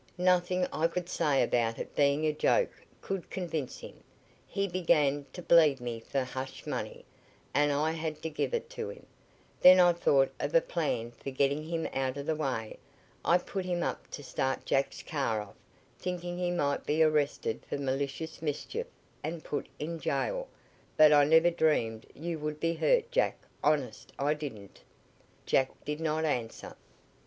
Nothing I could say about it being a joke could convince him. He began to bleed me for hush money, and I had to give it to him. Then I thought of a plan for getting him out of the way. I put him up to start Jack's car off, thinking he might be arrested for malicious mischief and put in jail, but I never dreamed you would be hurt, Jack. Honest, I didn't." Jack did not answer.